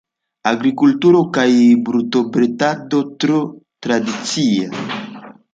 Agrikulturo kaj brutobredado tro tradicia.